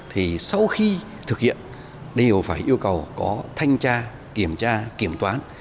thì sau khi thực hiện đều phải yêu cầu có thanh tra kiểm tra kiểm toán